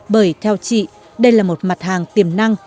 bởi theo chị đây là một mặt hàng tiềm năng